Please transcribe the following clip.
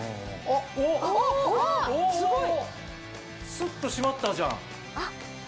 スッと閉まったじゃん。